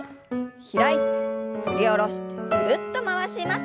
開いて振り下ろしてぐるっと回します。